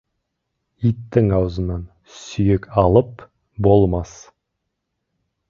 Иттің аузынан сүйек алып болмас.